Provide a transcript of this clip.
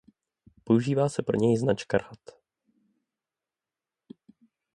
Používá se pro něj značka rad.